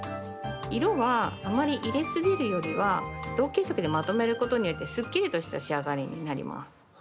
色はあまり入れすぎるよりは同系色でまとめることによってすっきりとした仕上がりになります。